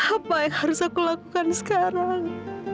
apa yang harus aku lakukan sekarang